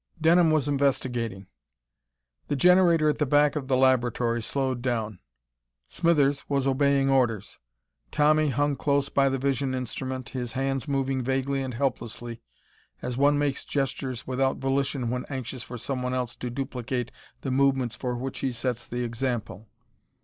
Denham was investigating. The generator at the back of the laboratory slowed down. Smithers was obeying orders. Tommy hung close by the vision instrument, his hands moving vaguely and helplessly, as one makes gestures without volition when anxious for someone else to duplicate the movements for which he sets the example.